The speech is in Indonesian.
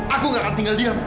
aku gak akan tinggal diam